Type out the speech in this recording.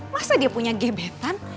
masa dia punya gebetan